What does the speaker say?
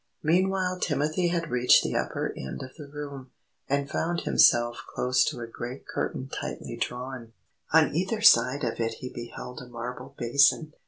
Meanwhile Timothy had reached the upper end of the room, and found himself close to a great curtain tightly drawn. On either side of it he beheld a marble basin.